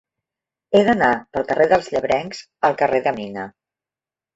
He d'anar del carrer dels Llebrencs al carrer de Mina.